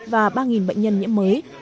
ba chín trăm linh và ba bệnh nhân nhiễm mới